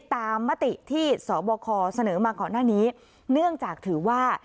มติที่สบคเสนอมาก่อนหน้านี้เนื่องจากถือว่า